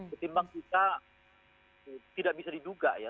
ketimbang kita tidak bisa diduga ya